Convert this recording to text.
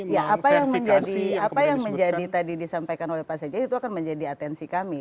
ya apa yang menjadi tadi disampaikan oleh pak seja itu akan menjadi atensi kami